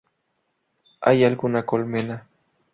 Hay alguna colmena".